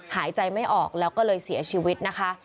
หายใจไม่ออกแล้วก็เลยเสียชีวิตนะคะ